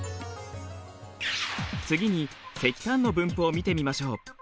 次に石炭の分布を見てみましょう。